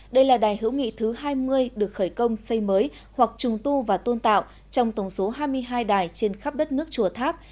đây là đài hữu nghị thứ hai mươi được khởi công xây mới hoặc trùng tu và tôn tạo trong tổng số hai mươi hai đài trên khắp đất nước chùa tháp